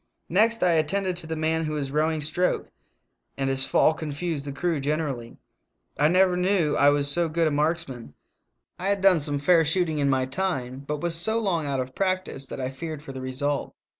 Next I attended to the man who was rowing stroke, and his fall confused the crew generally. I never knew I was so good a marksman; I had done some fair shooting in my time, but was. so long out of practice that I feared for the result.